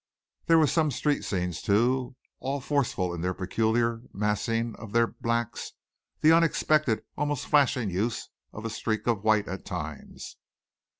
There were some street scenes, too, all forceful in the peculiar massing of their blacks, the unexpected, almost flashing, use of a streak of white at times.